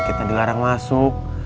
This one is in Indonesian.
kita dilarang masuk